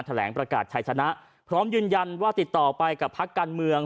แถลงประกาศชายชนะพร้อมยืนยันว่าติดต่อไปกับพักการเมือง